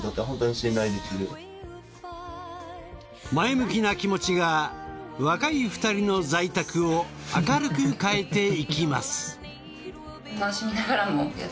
前向きな気持ちが若い２人の在宅を明るく変えていきます。